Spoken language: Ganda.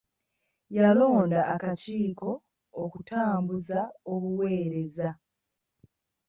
Yalonda akakiiko okutambuza obuweereza.